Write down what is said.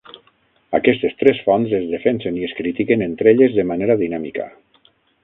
Aquestes tres fonts es defensen i es critiquen entre elles de manera dinàmica.